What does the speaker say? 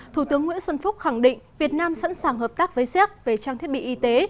thủ tướng nguyễn xuân phúc khẳng định việt nam sẵn sàng hợp tác với séc về trang thiết bị y tế